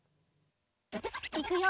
いくよ！